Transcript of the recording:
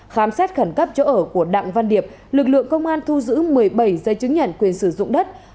khám xét khẩn cấp chỗ ở của đặng văn điệp lực lượng công an thu giữ một mươi bảy giấy chứng nhận quyền sử dụng đất